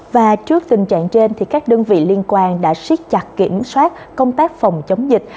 và trước tình trạng trên các đơn vị liên quan đã siết chặt kiểm soát công tác phòng chống dịch